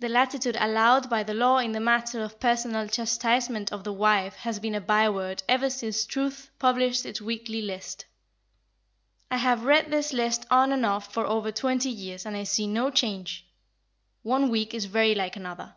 The latitude allowed by the law in the matter of personal chastisement of the wife has been a byword ever since Truth published its weekly list. I have read this list on and off for over twenty years and I see no change. One week is very like another.